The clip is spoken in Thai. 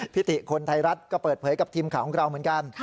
ติคนไทยรัฐก็เปิดเผยกับทีมข่าวของเราเหมือนกัน